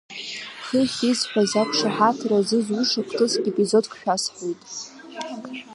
Хыхь исҳәаз ақәшаҳаҭра азызуша хҭыск епизодк шәасҳәоит.